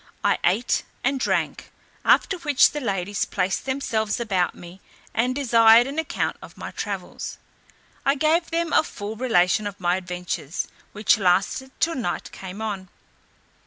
I ate and drank; after which the ladies placed themselves about me, and desired an account of my travels. I gave them a full relation of my adventures, which lasted till night came on.